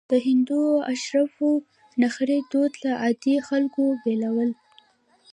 د هندو اشرافو نخرې دوی له عادي خلکو بېلول.